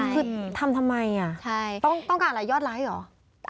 คือทำทำไมต้องการอะไรยอดไลค์เหรอ